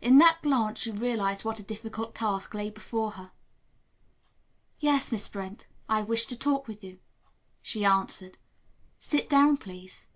In that glance she realized what a difficult task lay before her. "Yes, Miss Brent, I wished to talk with you," she answered. "Sit down, please."